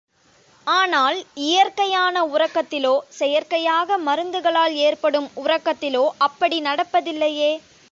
ஆனால், இயற்கையான உறக்கத்திலோ, செயற்கையாக மருந்துகளால் ஏற்படும் உறக்கத்திலோ, அப்படி நடப்பதில்லையே!